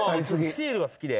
シールが好きで。